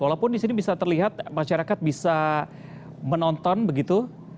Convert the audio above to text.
walaupun di sini bisa terlihat masyarakat bisa menonton begitu